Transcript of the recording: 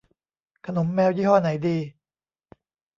ขนมแมว ยี่ห้อไหนดี